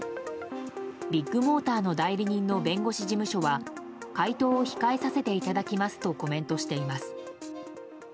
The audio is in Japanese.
ビッグモーターの代理人の弁護士事務所は回答を控えさせていただきますとコメントしています。